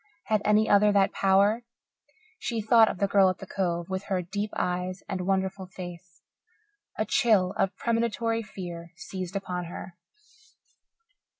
Had any other that power? She thought of the girl at the Cove, with her deep eyes and wonderful face. A chill of premonitory fear seized upon her.